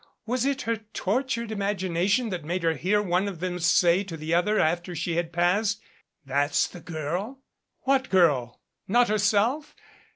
Was it her tortured imagination that made her hear one of them say to the other after she had passed, "That's the girl ?" What girl? Not herself?